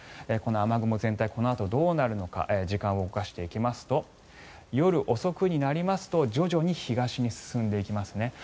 この雨雲全体このあとどうなるのか時間を動かしていきますと夜遅くになりますと徐々に東に進んでいきますね。